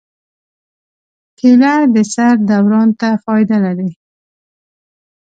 کېله د سر دوران ته فایده لري.